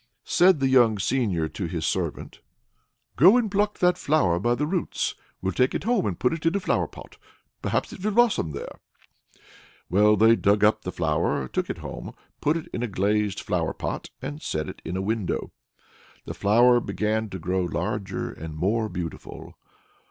Said the young seigneur to his servant: "Go and pluck up that flower by the roots. We'll take it home and put it in a flower pot. Perhaps it will blossom there." Well, they dug up the flower, took it home, put it in a glazed flower pot, and set it in a window. The flower began to grow larger and more beautiful.